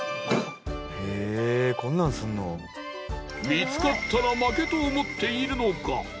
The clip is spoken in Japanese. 見つかったら負けと思っているのか